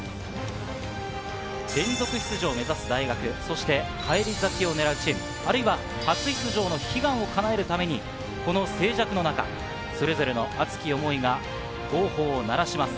連続出場を目指す大学、そして返り咲きを狙うチーム、あるいは初出場の悲願をかなえるために、この静寂の中、それぞれの熱き思いが号砲を鳴らします。